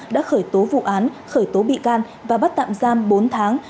đã khởi tố vụ án khởi tố bị can và bắt tạm giam bốn tháng